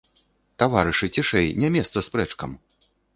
Таварышы, цішэй, не месца спрэчкам!